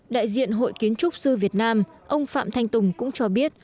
đại diện hội kiến trúc sư việt nam ông phạm thanh tùng cũng cho biết